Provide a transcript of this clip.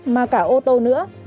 mà cả ô tô nữa